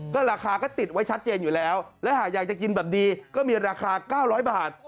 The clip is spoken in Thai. ก็ราคาก็ติดไว้ชัดเจนอยู่แล้วและหากอยากจะกินแบบดีก็มีราคา๙๐๐บาท